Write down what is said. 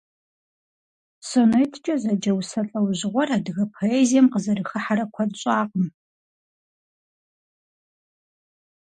СонеткӀэ зэджэ усэ лӀэужьыгъуэр адыгэ поэзием къызэрыхыхьэрэ куэд щӀакъым.